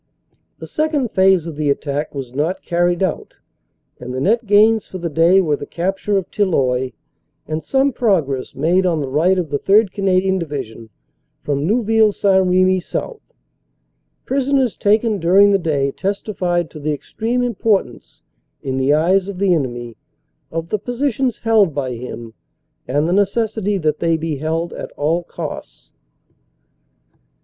The second phase of the attack was not carried out, and the net gains for the day were the capture of Tilloy and some progress made on the right of the 3rd. Canadian Division from Neuville St. Remy south. Prisoners taken during the day testified to the extreme importance, in the eyes of the enemy, of the positions held by him and the neces sity that they be held at all costs."